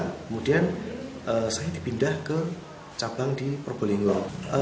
kemudian saya dipindah ke cabang di probolinggo